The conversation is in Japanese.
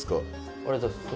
ありがとうございます。